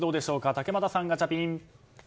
竹俣さん、ガチャピン。